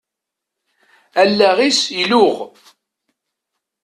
Allaɣ-is iluɣ.